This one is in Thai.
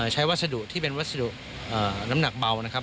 วัสดุที่เป็นวัสดุน้ำหนักเบานะครับ